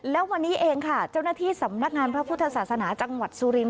แล้ววันนี้เองค่ะเจ้าหน้าที่สำนักงานพระพุทธศาสนาจังหวัดสุรินท